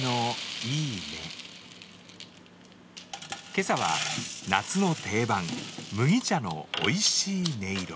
今朝は夏の定番、麦茶のおいしい音色。